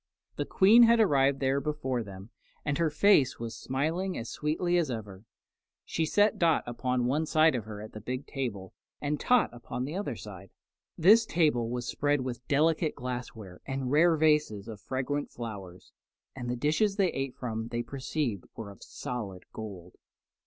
The Queen had arrived there before them, and her was face was smiling as sweetly as ever. She set Dot upon one side of her at the big table and Tot upon the other side. This table was spread with delicate glassware and rare vases of fragrant flowers, and the dishes they ate from they perceived were of solid gold.